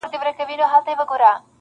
چي غزل مي د پرهر ژبه ویله,